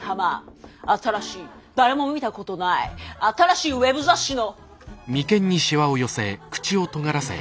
新しい誰も見たことない新しいウェブ雑誌の。